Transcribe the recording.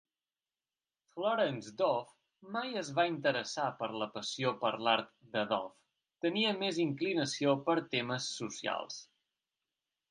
Florence Dove mai es va interessar per la passió per l'art de Dove; tenia més inclinació per temes socials.